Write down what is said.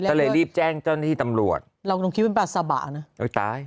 ก็เลยรีบแจ้งเจ้าหน้าที่ตำรวจเราต้องคิดว่าเป็นปลาซาบะนะเราตาย